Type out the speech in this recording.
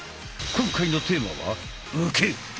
今回のテーマは「受け」。